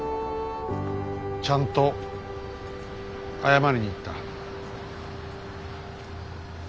ちゃんと謝りに行った。